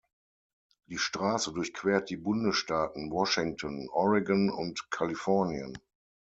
Die Straße durchquert die Bundesstaaten Washington, Oregon und Kalifornien.